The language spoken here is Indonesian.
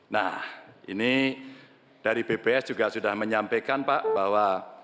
nah ini dari bps juga sudah menyampaikan pak bahwa